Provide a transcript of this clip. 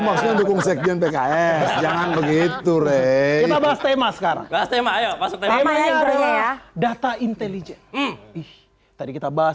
jangan begitu rey kita bahas tema sekarang ayo masuk teman teman ya data intelligent ih tadi kita bahas